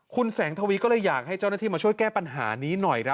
คุณแสงทวีก็เลยอยากให้เจ้าหน้าที่มาช่วยแก้ปัญหานี้หน่อยครับ